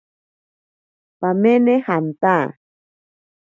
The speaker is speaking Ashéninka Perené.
Pamene janta.